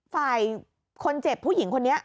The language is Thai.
ฝ่ายคนเจ็บผู้หญิงคนนี้